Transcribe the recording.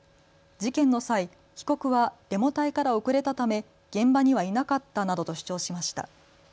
事件の際、被告はデモ隊から遅れたため現場にはいなかったなどと主張しました。